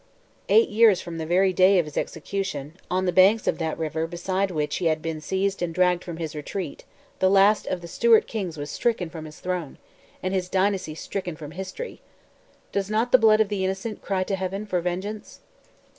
_ Eight years from the very day of his execution, on the banks of that river beside which he had been seized and dragged from his retreat, the last of the Stuart kings was stricken from his throne, and his dynasty stricken from history! Does not the blood of the innocent cry to Heaven for vengeance?